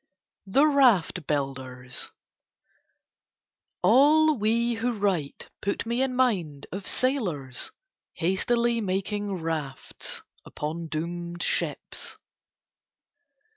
THE RAFT BUILDERS All we who write put me in mind of sailors hastily making rafts upon doomed ships.